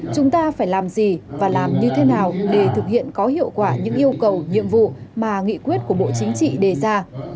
chúng ta phải làm gì và làm như thế nào để thực hiện có hiệu quả những yêu cầu nhiệm vụ mà nghị quyết của bộ chính trị đề ra